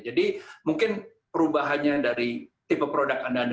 jadi mungkin perubahannya dari tipe produk anda anda